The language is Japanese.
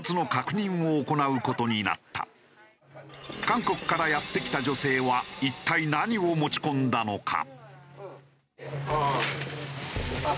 韓国からやって来た女性は一体何を持ち込んだのか？